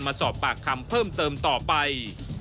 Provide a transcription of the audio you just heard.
มาสอบปากคำเพิ่มเติมต่อไป